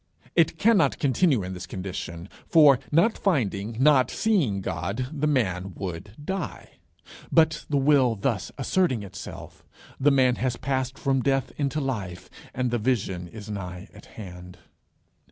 It cannot continue in this condition, for, not finding, not seeing God, the man would die; but the will thus asserting itself, the man has passed from death into life, and the vision is nigh at hand.